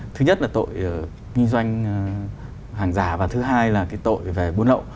thứ nhất là tội kinh doanh hàng giả và thứ hai là cái tội về buôn lậu